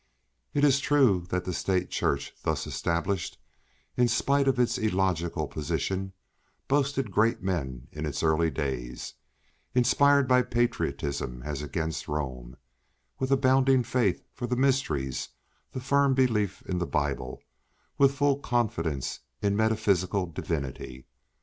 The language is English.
It is true that the State Church thus established, in spite of its illogical position, boasted great men in its early days, inspired by patriotism as against Rome, with abounding faith for the mysteries, with firm belief in the Bible, with full confidence in metaphysical divinity.